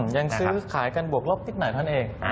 ยังซื้อขายกันบวกลบนิดหน่อยเท่านั้นเอง